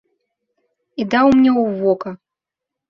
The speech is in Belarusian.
І даў мне ў вока.